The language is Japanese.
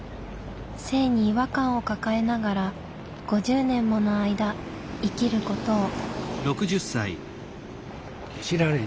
性に違和感を抱えながら５０年もの間生きることを。